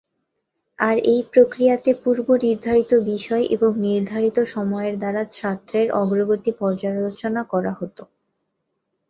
আর এই প্রক্রিয়াতে পূর্ব নির্ধারিত বিষয় এবং নির্ধারিত সময়ের দ্বারা ছাত্রের অগ্রগতি পর্যালোচনা করা হতো।